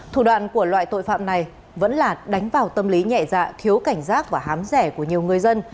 thủ đoạn của loại tội phạm này vẫn là đánh vào tâm lý nhẹ dạ thiếu cảnh giác và hám rẻ của nhiều người dân